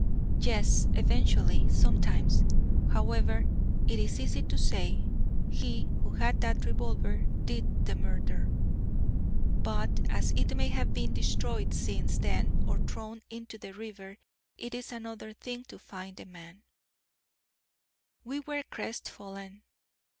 "Yes, eventually, sometimes. However, it is easy to say, 'he who had that revolver did the murder,' but as it may have been destroyed since then, or thrown into the river, it is another thing to find the man." We were crestfallen.